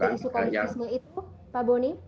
isu komunisme itu pak boni